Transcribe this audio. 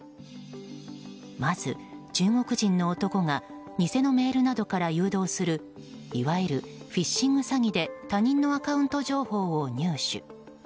まず中国人の男が偽のメールなどから誘導するいわゆるフィッシング詐欺で他人のアカウント情報を入手。